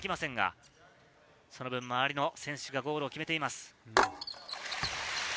その分、周りの選手がゴールを決めています。